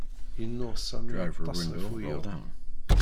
Yennuɣ Sami aṭas ɣef wiyaḍ.